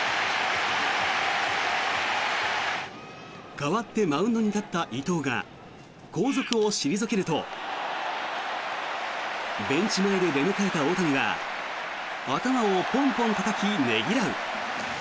代わってマウンドに立った伊藤が後続を退けるとベンチ前で出迎えた大谷が頭をポンポンたたきねぎらう。